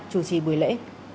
chủ trì buổi lễ